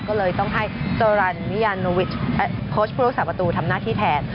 ก็เลยต้องให้โจรันมิยาโนวิชโคชพุทธศาสตร์ประตูทำหน้าที่แทน